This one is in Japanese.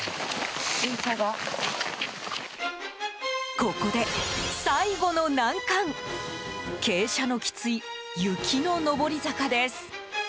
ここで最後の難関傾斜のきつい雪の上り坂です。